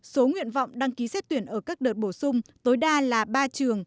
số nguyện vọng đăng ký xét tuyển ở các đợt bổ sung tối đa là ba trường